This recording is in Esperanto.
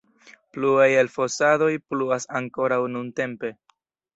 Pluaj elfosadoj pluas ankoraŭ nuntempe.